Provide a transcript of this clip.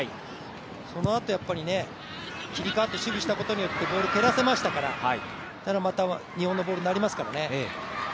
そのあと、切り替わって守備したことによってボール蹴らせましたからまた日本のボールになりますからね。